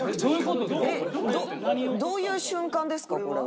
どういう瞬間ですかこれは。